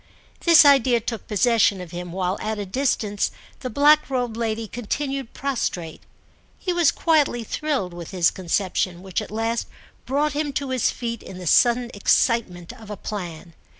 This idea took possession of him while, at a distance, the black robed lady continued prostrate; he was quietly thrilled with his conception, which at last brought him to his feet in the sudden excitement of a plan.